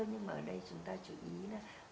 nhưng mà ở đây chúng ta chú ý là